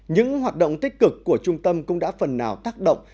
những hoạt động tích cực của trung tâm cũng đã phần nào tác động